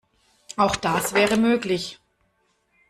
Auch das wäre möglich.